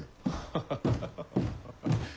ハハハハハ。